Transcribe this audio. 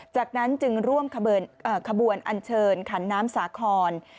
จากนั้นจึงร่วมขบวนอันเชิญขันน้ำสาคร